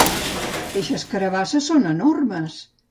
Eixes carabasses són enormes!